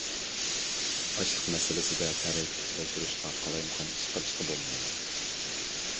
ئاشلىق مەسىلىسىدە تەلەي كۈتۈپ ئولتۇرۇشقا، قالايمىقان ئىش قىلىشقا بولمايدۇ.